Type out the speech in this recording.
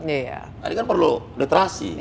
ini kan perlu deterasi